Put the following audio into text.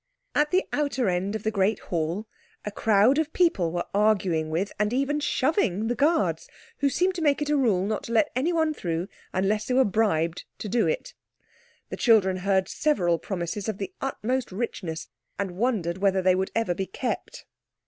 At the outer end of the great hall a crowd of people were arguing with and even shoving the Guards, who seemed to make it a rule not to let anyone through unless they were bribed to do it. The children heard several promises of the utmost richness, and wondered whether they would ever be kept.